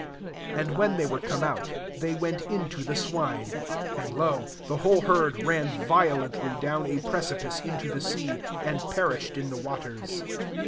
And when they were come out| they went into the swine : andy lo, the whole herd ran violently down a precipice into the tfeai and perished in the waters.